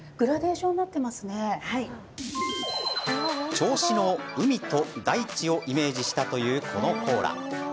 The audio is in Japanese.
銚子の海と大地をイメージしたという、このコーラ。